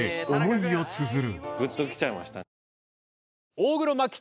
大黒摩季